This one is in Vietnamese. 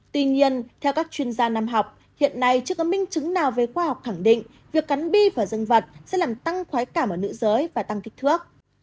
tuy nhiên theo các chuyên gia nam học hiện nay chưa có minh chứng nào về khoa học khẳng định việc cắn bi và dân vật sẽ làm tăng khoái cảm ở nữ giới và tăng kích thước